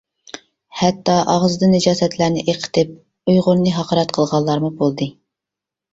ھەتتا ئاغزىدىن نىجاسەتلەرنى ئېقىتىپ ئۇيغۇرنى ھاقارەت قىلغانلارمۇ بولدى.